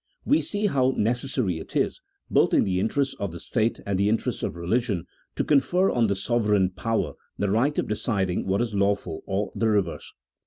We see how necessary it is, both in the intetests of the state and in the interests of religion, to confer on the sovereign power the right of deciding what is lawful or the reverse.